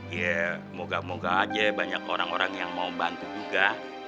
ya moga moga aja banyak orang orang yang mau bantu juga